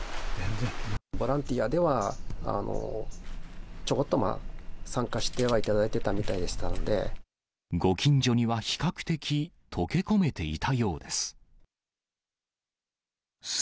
ボランティアではちょこっと参加してはいただいてたみたいでご近所には比較的、溶け込めていたようです。